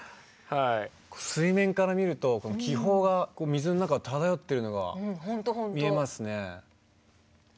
水面から見ると気泡が水の中漂ってるのが見えますね。